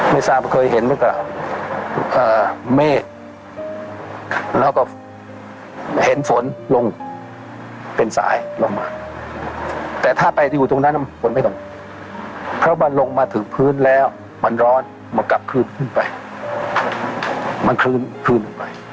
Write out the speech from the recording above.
เมซามเคยเห็นเมฆแล้วก็เห็นฝนลงเป็นสายลงมาแต่ถ้าไปอยู่ตรงนั้นมันฝนไม่ต้องเพราะว่าลงมาถึงพื้นแล้วมันร้อนมันกลับขึ้นไปมันขึ้นไป